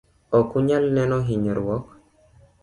okunyal neno hinyruok.